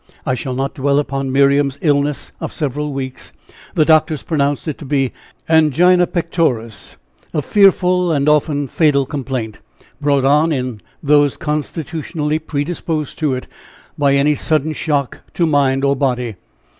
I shall not dwell upon Miriam's illness of several weeks; the doctors pronounced it to be angina pectoris a fearful and often fatal complaint, brought on in those constitutionally predisposed to it, by any sudden shock to mind or body.